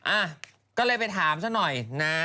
อ่ะก็เลยไปถามซะหน่อยนะ